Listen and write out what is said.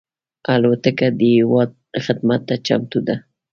الوتکه د هېواد خدمت ته چمتو ده.